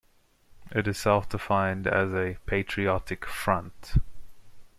It is self-defined as a "patriotic front".